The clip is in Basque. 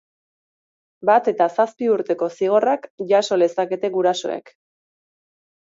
Bat eta zazpi urteko zigorrak jaso lezakete gurasoek.